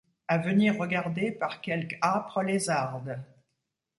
À venir regarder par quelque âpre lézarde !